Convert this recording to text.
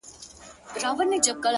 o زما پښتون زما ښايسته اولس ته،